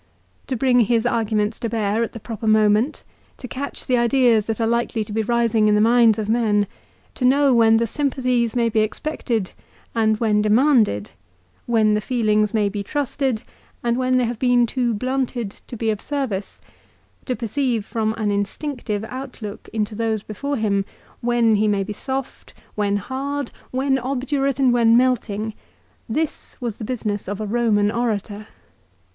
To bring his arguments to bear at the proper moment, to catch the ideas that are likely to be rising in the minds of men, to know when the sympathies may be expected and when demanded, when the feelings may be trusted and when they have been too blunted to be of service, to perceive from an instinctive outlook into those before him when he may be soft, when hard, when obdurate and when melting, this was the business of a Eoman orator.